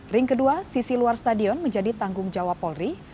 ring kedua sisi luar stadion menjadi tanggung jawab polri